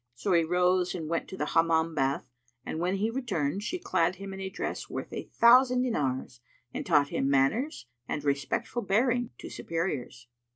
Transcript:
So he rose and went to the Hammam bath, and when he returned, she clad him in a dress worth a thousand dinars and taught him manners and respectful bearing to superiors.